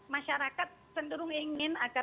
masyarakat cenderung ingin agar